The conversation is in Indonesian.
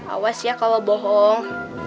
awas ya kalau bohong